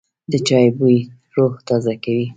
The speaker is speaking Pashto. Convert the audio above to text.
د چای بوی روح تازه کوي.